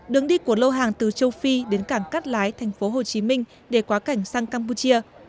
đứng đi của lô hàng từ châu phi đến cảng cắt lái tp hcm để quá cảnh sang campuchia